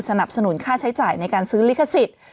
สนับสนุนค่าใช้จ่ายในการซื้อลิขสิทธิ์